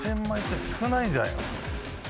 少ないんじゃないの？